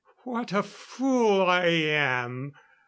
"What a fool I am!